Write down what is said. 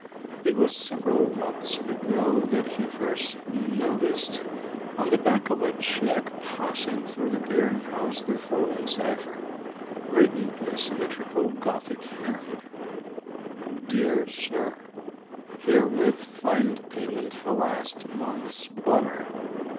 It was several months ago that he first noticed on the back of a check passing through the Clearing House the following cipher, written in a symmetrical, Gothic hand: DEAR SIR: Herewith find payment for last month's butter.